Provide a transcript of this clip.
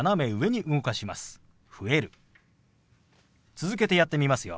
続けてやってみますよ。